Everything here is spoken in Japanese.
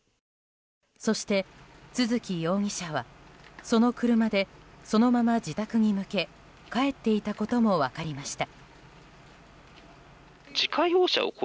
そして、都築容疑者はその車でそのまま自宅に向け帰っていたことも分かりました。